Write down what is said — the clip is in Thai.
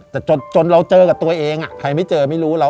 แต่จนเราเจอกับตัวเองใครไม่เจอไม่รู้เรา